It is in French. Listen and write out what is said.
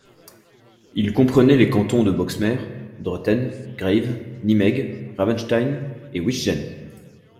Il comprenait les cantons de Boxmeer, Druten, Grave, Nimègue, Ravenstein et Wijchen.